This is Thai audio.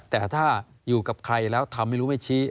แต่ถ้าอยู่กับใครแล้วทำไม่รู้ไม่ชี้